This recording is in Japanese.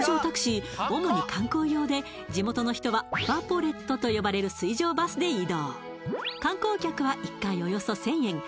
タクシー主に観光用で地元の人はヴァポレットと呼ばれる水上バスで移動観光客は１回およそ１０００円